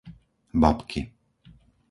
Babky